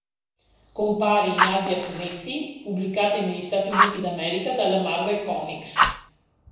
Compare in albi a fumetti pubblicati negli Stati Uniti d'America dalla Marvel Comics.